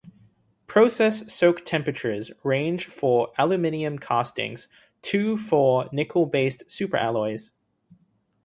Process soak temperatures range from for aluminium castings to for nickel-based superalloys.